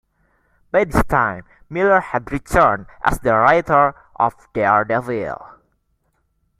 By this time, Miller had returned as the writer of "Daredevil".